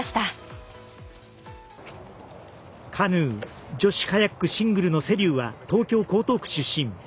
カヌー女子カヤックシングルの瀬立は東京・江東区出身。